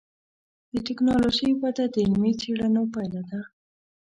د ټکنالوجۍ وده د علمي څېړنو پایله ده.